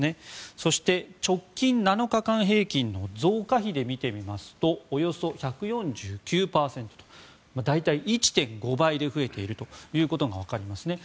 そして、直近７日間平均の増加比で見てみますとおよそ１４９％と大体、１．５倍で増えていることがわかりますね。